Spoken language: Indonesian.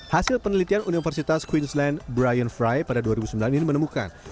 hasil penelitian universitas queensland brian fry pada dua ribu sembilan ini menemukan